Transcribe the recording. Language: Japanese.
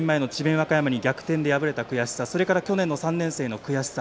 和歌山に逆転で敗れた悔しさそれから去年の３年生の悔しさ。